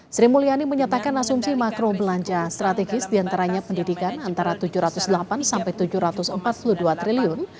sri mulyani menyatakan asumsi makro belanja strategis diantaranya pendidikan antara rp tujuh ratus delapan sampai tujuh ratus empat puluh dua triliun